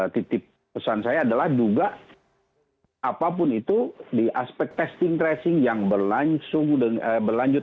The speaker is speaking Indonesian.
titip pesan saya adalah juga apapun itu di aspek testing tracing yang berlanjut